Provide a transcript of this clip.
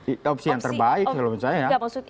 ini opsi yang terbaik kalau misalnya ya